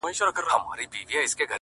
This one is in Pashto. o زه او زما ورته ياران ـ